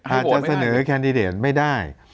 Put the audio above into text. อาจจะเสนอแคนดิเดตไม่ได้